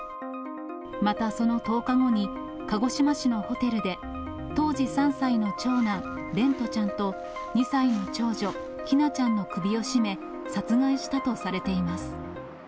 またその１０日後に、鹿児島市のホテルで、当時３歳の長男、蓮翔ちゃんと、２歳の長女、姫奈ちゃんの首を絞め、殺害したとされています。